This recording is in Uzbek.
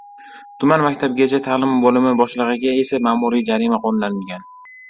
Tuman maktabgacha ta’lim bo‘limi boshlig‘iga esa ma’muriy jarima qo‘llanilgan